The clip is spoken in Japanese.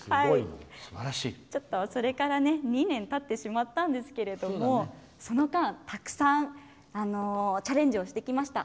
ちょっと、それから２年たってしまったんですけどその間、たくさんチャレンジをしてきました。